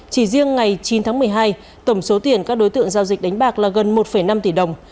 chỉ riêng ngày chín tháng một mươi hai tổng số tiền các đối tượng giao dịch đánh bạc là gần một năm tỷ đồng